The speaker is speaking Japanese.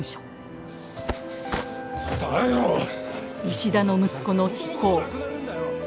石田の息子の非行。